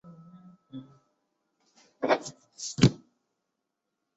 这是一个关于妳的秘密